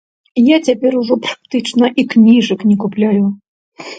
Я цяпер ужо практычна і кніжак не купляю.